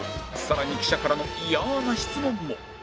更に記者からのイヤな質問も